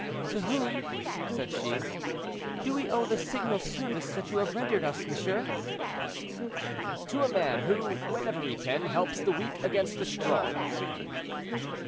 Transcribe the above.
"To whom," said she, "do we owe the signal service that you have rendered us, monsieur?" "To a man who, whenever he can, helps the weak against the strong."